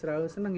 selalu senang ya